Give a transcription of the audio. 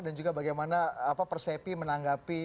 dan juga bagaimana apa persepi menanggapi